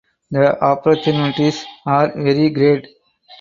The opportunities are very great.